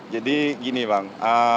jadi gini bang